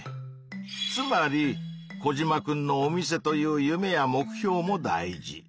つまりコジマくんのお店という夢や目標も大事。